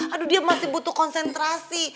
aduh dia masih butuh konsentrasi